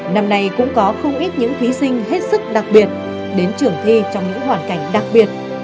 năm nay cũng có không ít những thí sinh hết sức đặc biệt đến trường thi trong những hoàn cảnh đặc biệt